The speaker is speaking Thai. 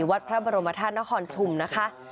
วัดพระบรมธาตุนครชุมนะคะ